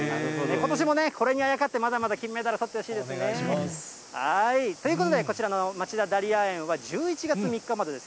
ことしもこれにあやかって、まだまだ金メダル、とってほしいですよね。ということでこちらの町田ダリア園は、１１月３日までです。